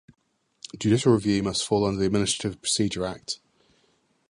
Judicial review must fall under the Administrative Procedure Act.